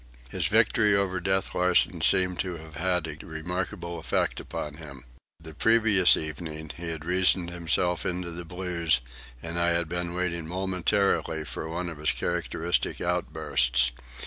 His victory over Death Larsen seemed to have had a remarkable effect upon him. The previous evening he had reasoned himself into the blues, and I had been waiting momentarily for one of his characteristic outbursts.